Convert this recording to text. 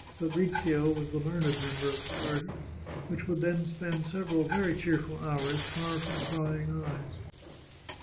Fabrizio was the learned member of the party, which would thus spend sev eral very cheerful hours, far from prying eyes.